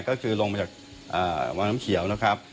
ก็คือลงมาจากวังน้ำเขียวนะครับ